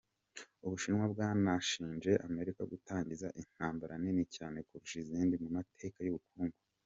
Ubushinwa bwanashinje Amerika gutangiza "intambara nini cyane kurusha izindi mu mateka y'ubukungu.